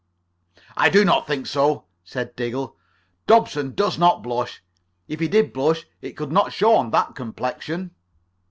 "I do not think so," said Diggle. "Dobson does not blush. If he did blush it could not show on that complexion."